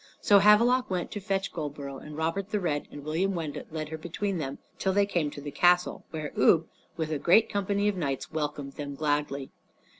So Havelok went to fetch Goldborough, and Robert the Red and William Wendut led her between them till they came to the castle, where Ubbe, with a great company of knights, welcomed them gladly.